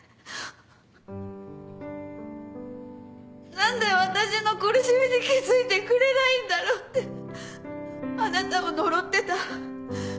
何で私の苦しみに気付いてくれないんだろうってあなたを呪ってた。